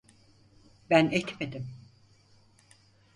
Ben etmedim.